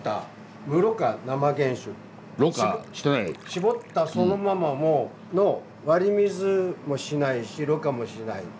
搾ったそのままの割り水もしないし濾過もしない。